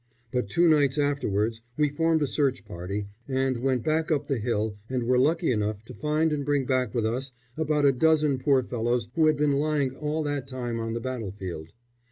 But two nights afterwards we formed a search party, and went back up the hill and were lucky enough to find and bring back with us about a dozen poor fellows who had been lying all that time on the battlefield.